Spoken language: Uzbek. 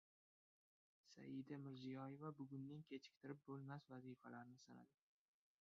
Saida Mirziyoyeva bugunning kechiktirib bo‘lmas vazifalarini sanadi